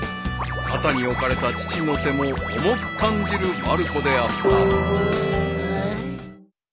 ［肩に置かれた父の手も重く感じるまる子であった］